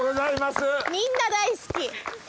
みんな大好き。